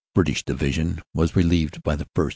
(British) Division was relieved by the 1st.